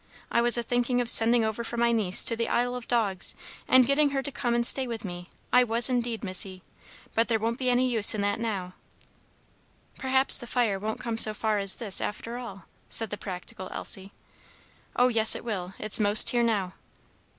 I was a thinking of sending over for my niece to the Isle of Dogs, and getting her to come and stay with me, I was indeed, Missy. But there won't be any use in that now." "Perhaps the fire won't come so far as this, after all," said the practical Elsie. "Oh, yes, it will! It's 'most here now."